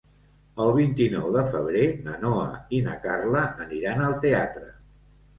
El vint-i-nou de febrer na Noa i na Carla aniran al teatre.